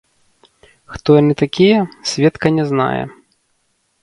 Хто яны такія, сведка не знае.